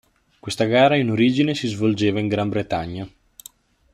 Questa gara in origine si svolgeva in Gran Bretagna.